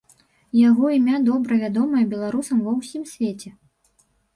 Яго імя добра вядомае беларусам ва ўсім свеце.